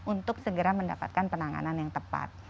untuk segera mendapatkan penanganan yang tepat